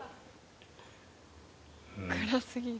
暗すぎる。